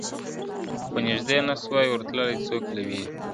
خو نیژدې نه سوای ورتللای څوک له ویري ,